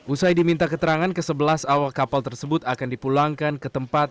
usai diminta keterangan ke sebelas awak kapal tersebut akan dipulangkan ke tempat